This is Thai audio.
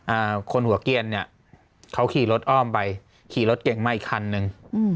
อ่าคนหัวเกียรเนี้ยเขาขี่รถอ้อมไปขี่รถเก่งมาอีกคันนึงอืม